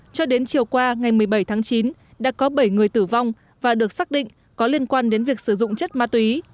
cho đến chiều qua ngày một mươi bảy tháng chín đã có bảy người tử vong và được xác định có liên quan đến việc sử dụng chất ma túy